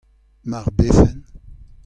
Mar befen.